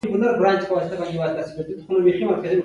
دا هم څرګندوي چې څنګه ممکنه ده.